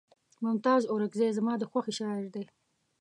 ممتاز اورکزے زما د خوښې شاعر دے